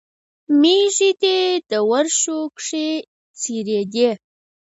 مېښې دې ورشو کښې څرېدې